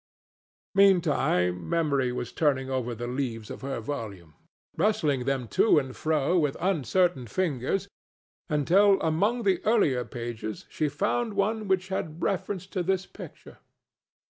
Meantime, Memory was turning over the leaves of her volume, rustling them to and fro with uncertain fingers, until among the earlier pages she found one which had reference to this picture.